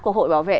của hội bảo vệ